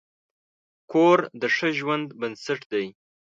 کور د ښه ژوند بنسټ دی.